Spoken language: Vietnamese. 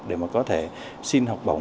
để mà có thể xin học bổng